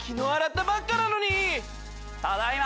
ただいま！